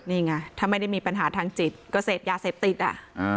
นี่ไงถ้าไม่ได้มีปัญหาทางจิตก็เสพยาเสพติดอ่ะ